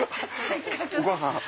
お母さん。